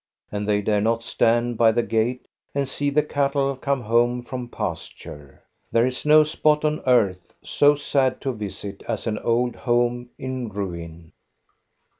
And they dare not stand by the gate and see the cattle come home from pasture. There is no spot on earth so sad to visit as an old home in ruin.